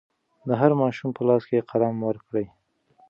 د هر ماشوم په لاس کې قلم ورکړئ.